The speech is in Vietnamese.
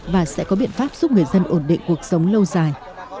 và sẽ có biện pháp giúp người dân ổn định cuộc sống lâu dài